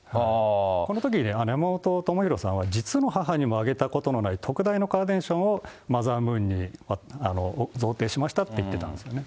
このときに、山本朋広さんは、実の母にもあげたことのない特大のカーネーションをマザームーンに贈呈しましたって言ってたんですよね。